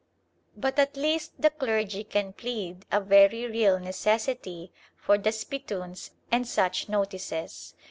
But at least the clergy can plead a very real necessity for the spittoons and such notices.